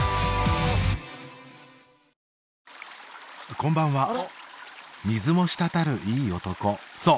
こんばんは水も滴るいい男そう